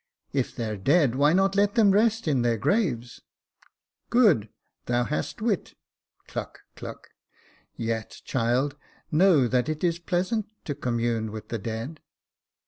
" If they're dead, why not let them rest in their graves ?"'* Good : thou hast wit. {Cluck, cluck.) Yet, child, know that it is pleasant to commune with the dead."